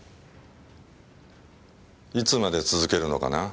いつまで続けるのかな？